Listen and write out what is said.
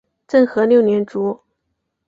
政和六年卒。